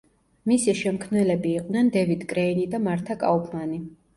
მისი შემქმნელები იყვნენ დევიდ კრეინი და მართა კაუფმანი.